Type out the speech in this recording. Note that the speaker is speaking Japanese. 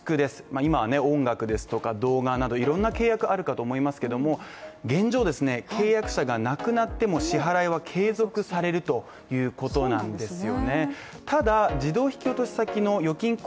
今は音楽ですとか動画などいろんな契約あるかと思いますけども、現状、契約者が亡くなっても支払いは継続されるということなんですよ